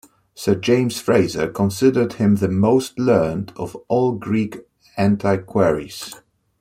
Sir James Frazer considered him the most learned of all Greek antiquaries.